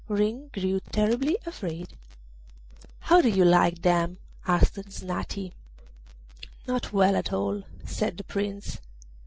Ring grew terribly afraid. 'How do you like them?' asked Snati. 'Not well at all,' said the Prince.